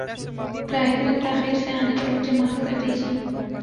براہ کرم تاخیر سے آنے پر مجھے معاف کر دیجۓ